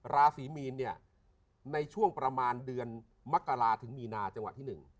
ราศีมีนเนี่ยในช่วงประมาณเดือนมกราถึงมีนาจังหวะที่๑